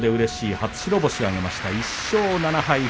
初白星を挙げました１勝７敗。